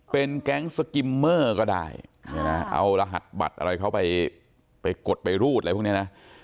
เป็นแก๊งสกิมเมอร์ก็ได้เอารหัสบัตรอะไรเขาไปกดไปรูดอะไรพวกนี้นะ